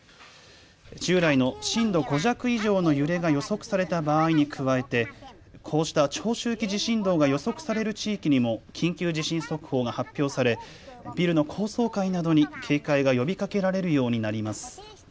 従来の震度５弱以上の揺れが予測された場合に加えてこうした長周期地震動が予測される地域にも緊急地震速報が発表され、ビルの高層階などに警戒が呼びかけられるようになります。